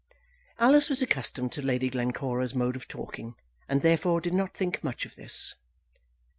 Alice was accustomed to Lady Glencora's mode of talking, and therefore did not think much of this.